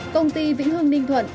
công ty vĩnh hương ninh thuận